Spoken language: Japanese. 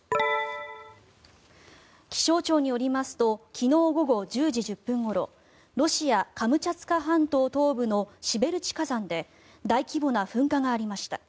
気象庁によりますと昨日午後１０時１０分ごろロシア・カムチャツカ半島東部のシベルチ火山で大規模な噴火がありました。